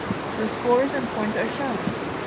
The scores in points are shown.